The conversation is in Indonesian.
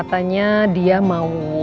katanya dia mau batalin seminarnya